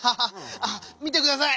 あっ見てください！